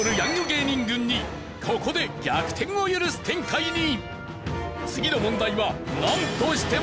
芸人軍にここで逆転を許す展開に。